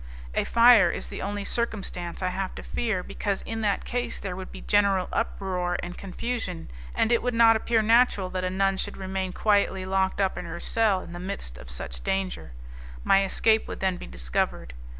A fire is the only circumstance I have to fear, because in that case there would be general uproar and confusion, and it would not appear natural that a nun should remain quietly locked up in her cell in the midst of such danger; my escape would then be discovered.